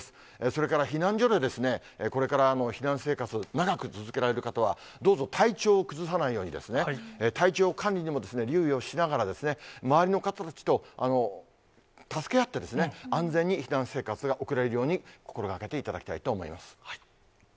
それから避難所で、これから避難生活長く続けられる方は、どうぞ体調を崩さないように、体調管理にも留意をしながら、周りの方たちと助け合って、安全に避難生活が送られるように心がけていただきたいと思います。